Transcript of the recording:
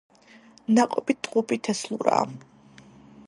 ნაყოფი ტყუპი თესლურაა.